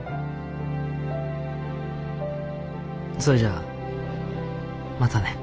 それじゃあまたね。